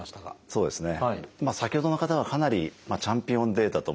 そうですね。